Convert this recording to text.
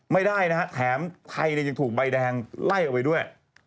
ไม่ได้นะฮะแถมไทยยังถูกใบแดงไล่เอาไว้ด้วย